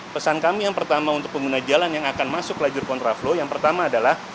pesan kami yang pertama untuk pengguna jalan yang akan masuk lajur kontraflow yang pertama adalah